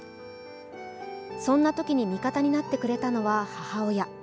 そんなときに味方になってくれたのは母親。